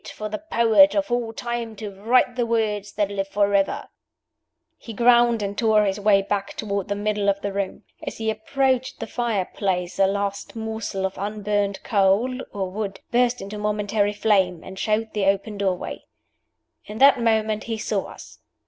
for the poet of all time to write the words that live forever!" He ground and tore his way back toward the middle of the room. As he approached the fire place a last morsel of unburned coal (or wood) burst into momentary flame, and showed the open doorway. In that moment he saw us!